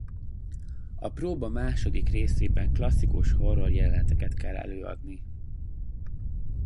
A próba második részében klasszikus horror-jeleneteket kell előadni.